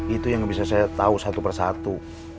itu yang gak bisa saya tau satu persatu